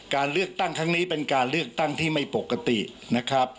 การเลือกตั้งครั้งนี้เป็นการเลือกตั้งที่ไม่ปกตินะครับ